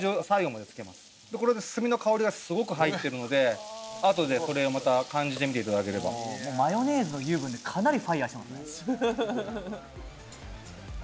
これで炭の香りがすごく入っているのであとでこれをまた感じてみていただければマヨネーズの油分でかなりファイアしてますね